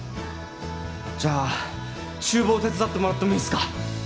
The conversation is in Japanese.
じゃあ厨房手伝ってもらってもいいっすか？